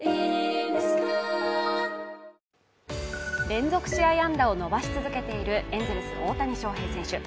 連続試合安打を伸ばし続けているエンゼルスの大谷翔平選手。